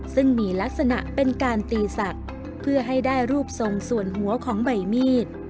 ซึ่งมีลักษณะเป็นการตีศักดิ์เพื่อให้ได้รูปทรงส่วนหัวของใบมีด